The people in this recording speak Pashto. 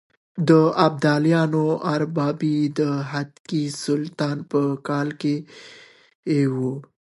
د ابدالیانو اربابي د خدکي سلطان په کاله کې وه.